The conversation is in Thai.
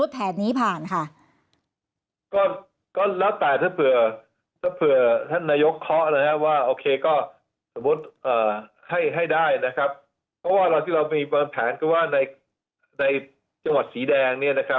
เพราะที่เรามีประแทนก็ว่าในจังหวัดสีแดง